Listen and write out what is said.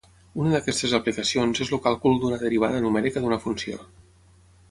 Una d'aquestes aplicacions és el càlcul d'una derivada numèrica d'una funció.